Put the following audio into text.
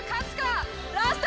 ラスト！